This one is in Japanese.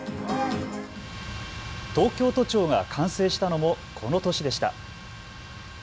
東京都庁が完成したのもこの年でした。